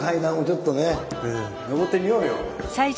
上ってみようよ。